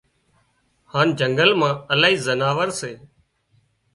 هانَ جنگل مان الاهي زناور سي